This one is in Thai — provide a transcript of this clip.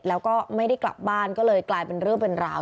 แล้วก็ไม่ได้กลับบ้านก็เลยกลายเป็นเรื่องเป็นราว